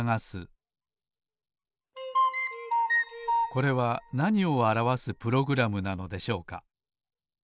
これはなにをあらわすプログラムなのでしょうか？